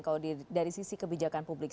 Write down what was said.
kalau dari sisi kebijakan publik